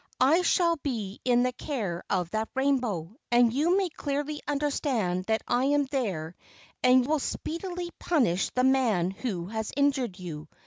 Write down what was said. I shall be in the care of that rainbow, and you may clearly understand that I am there and will speedily punish the man who has injured you.